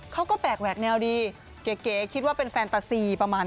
เขาก็แปลกแหวกแนวดีเก๋คิดว่าเป็นแฟนตาซีประมาณ